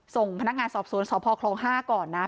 ส่งพนักงานสอบสวนสพคลอง๕ก่อนนะ